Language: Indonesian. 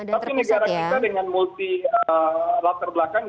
tapi negara kita dengan multi latar belakang